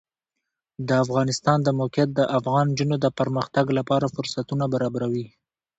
د افغانستان د موقعیت د افغان نجونو د پرمختګ لپاره فرصتونه برابروي.